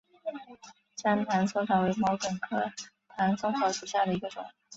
粘唐松草为毛茛科唐松草属下的一个种。